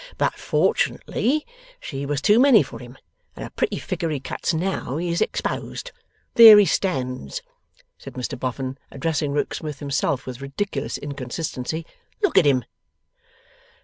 But fortunately she was too many for him, and a pretty figure he cuts now he is exposed. There he stands!' said Mr Boffin, addressing Rokesmith himself with ridiculous inconsistency. 'Look at him!